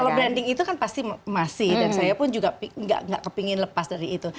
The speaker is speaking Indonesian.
kalau branding itu kan pasti masih dan saya pun juga nggak kepingin lepas dari itu